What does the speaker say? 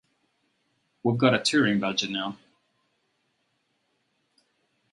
We've got a touring budget now.